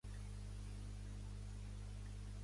La part entera del nombre té una longitud fixa.